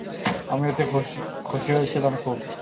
আমি এতে খুশি হয়েছিলাম খুব।